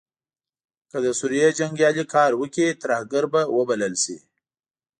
که د سوریې جنګیالې کار وکړي ترهګر به وبلل شي.